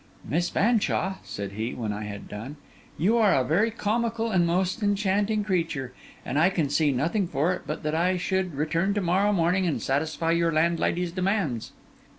'Miss Fanshawe,' said he, when I had done, 'you are a very comical and most enchanting creature; and I can see nothing for it but that I should return to morrow morning and satisfy your landlady's demands.